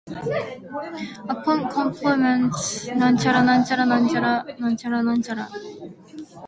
Upon completion of amphibious landing exercises in April, she steamed for Pearl Harbor.